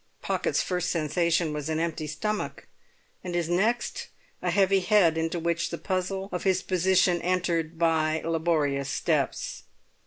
Pocket's first sensation was an empty stomach, and his next a heavy head into which the puzzle of his position entered by laborious steps.